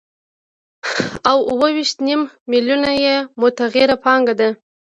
او اوه ویشت نیم میلیونه یې متغیره پانګه ده